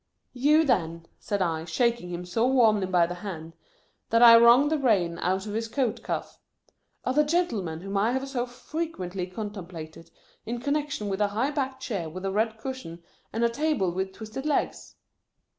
" You then," said I, shaking him so warmly by the hand, that I wrung the rain out of his coat cuff, " are the gentleman whom I have so frequently contemplated, in connection with a high backed chair with a red cushion, and a table with twisted legs."